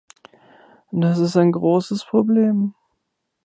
Das ist ein großes Problem.